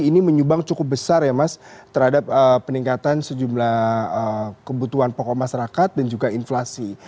ini menyumbang cukup besar ya mas terhadap peningkatan sejumlah kebutuhan pokok masyarakat dan juga inflasi